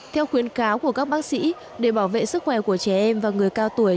theo khuyến cáo của các bác sĩ để bảo vệ sức khỏe của trẻ em và người cao tuổi